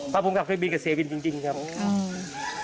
เพราะผมกลับเครื่องบินกับเซวินจริงครับ